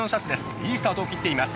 いいスタートを切っています。